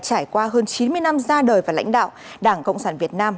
trải qua hơn chín mươi năm ra đời và lãnh đạo đảng cộng sản việt nam